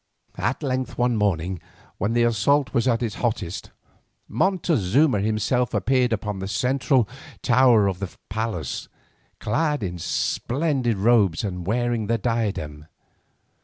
At length one morning, when the assault was at its hottest, Montezuma himself appeared upon the central tower of the palace, clad in splendid robes and wearing the diadem.